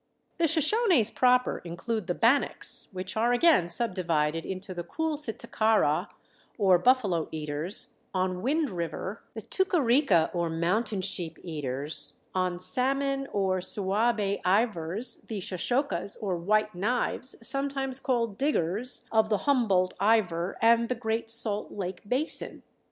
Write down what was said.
] The Shoshones proper include the Bannocks, which are again subdivided into the Koolsitakara or Buffalo Eaters, on Wind River, the Tookarika or Mountain Sheep Eaters, on Salmon or Suabe Eivers, the Shoshocas or White Knives, sometimes called Diggers, of the Humbolt Eiver and the Great Salt Lake basin.